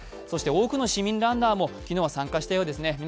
そして多くの市民ランナーも昨日は参加したようですね。